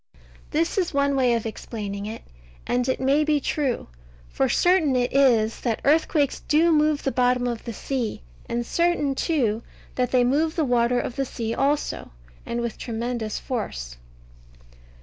This is one way of explaining it, and it may be true. For certain it is, that earthquakes do move the bottom of the sea; and certain, too, that they move the water of the sea also, and with tremendous force.